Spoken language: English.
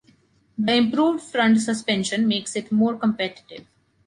The improved front suspension makes it more competitive.